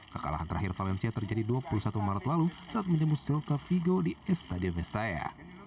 kekalahan terakhir valencia terjadi dua puluh satu maret lalu saat menembus celta vigo di estadio vestaya